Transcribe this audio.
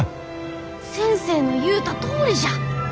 先生の言うたとおりじゃ！